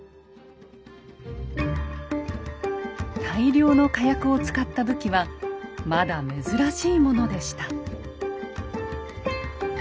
大量の火薬を使った武器はまだ珍しいものでした。